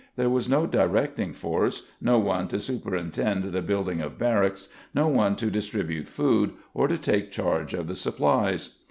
There was no directing force, no one to superintend the building of barracks, no one to distribute food or to take charge of the supplies.